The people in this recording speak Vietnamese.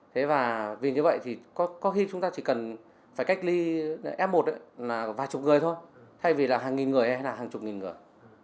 thế và vì như vậy thì có khi chúng ta chỉ cần phải cách ly f một là vài chục người thôi thay vì là hàng nghìn người hay là hàng chục nghìn người